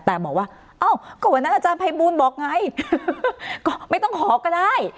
แต่บอกว่าเอ้าก็วันนั้นอาจารย์ภัยบูลบอกไงก็ไม่ต้องขอก็ได้